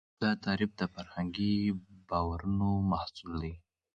دا تعریف د فرهنګي باورونو محصول دی.